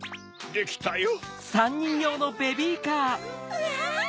うわ！